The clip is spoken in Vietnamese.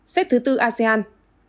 xếp thứ bốn asean